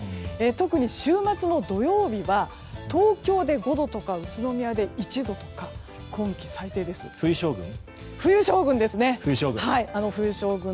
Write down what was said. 特に週末の土曜日は東京で５度とか宇都宮で１度とか冬将軍？